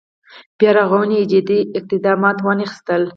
بیا رغونې جدي اقدامات وانخېستل.